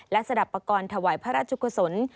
และสดับปากรถวายพระราชกษนตร์